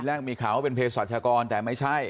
มีข่าวว่าเป็นเพศรัชกรแต่ไม่ใช่